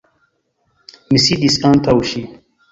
Mi sidis antaŭ ŝi.